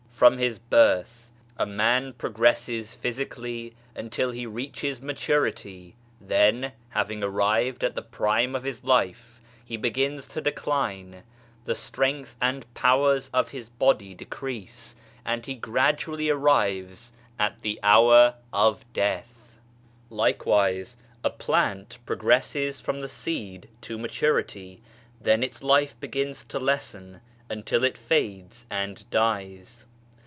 From his birth, a man progresses physically until he reaches maturity, then, having arrived at the prime of his life, he begins to decline, the strength and powers of his body decrease, and he gradually arrives at the hour of death. Likewise a plant progresses from the seed to maturity, then its life begins to lessen until it fades and dies.